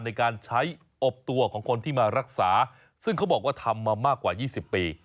ในการใช้อบตัวของคนที่มารักษาซึ่งเขาบอกว่าทำมามากกว่า๒๐ปี